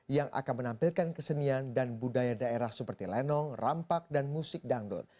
yang akan menampilkan kesenian dan budaya daerah seperti lenong rampak dan musik dangdut